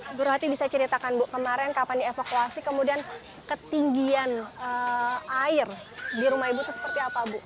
ibu rohati bisa ceritakan bu kemarin kapan dievakuasi kemudian ketinggian air di rumah ibu itu seperti apa bu